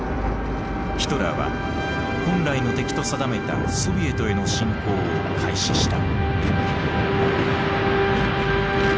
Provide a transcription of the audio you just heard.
ヒトラーは本来の敵と定めたソビエトへの侵攻を開始した。